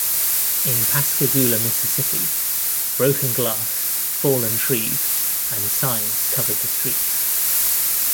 In Pascagoula, Mississippi, broken glass, fallen trees and signs covered the streets.